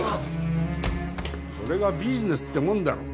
それがビジネスってもんだろ